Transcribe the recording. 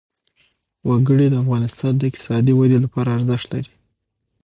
وګړي د افغانستان د اقتصادي ودې لپاره ارزښت لري.